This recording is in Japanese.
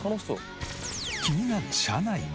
気になる車内は。